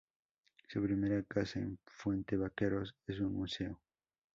Su primera casa, en Fuente Vaqueros, es un museo.